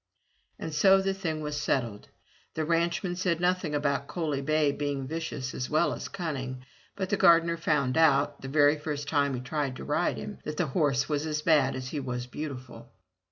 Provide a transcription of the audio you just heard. And so the thing was settled. The ranchman said nothing about Coaly bay being vicious as well as cunning, but the gardener found out, the very first time he tried to ride him, that the horse was as bad as he was beautiful.